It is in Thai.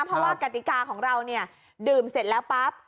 เพราะว่ากติกาของเราเนี่ยดื่มเสร็จแล้วปั๊บ